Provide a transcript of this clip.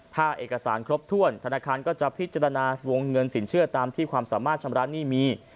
ถ้าเอกสารครบถ้วนธนาคารก็จะพิจารณาวงเงินสินเชื่อตามที่ความสามารถชำระหนี้มี